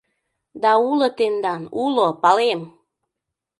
Да уло тендан, уло, палем!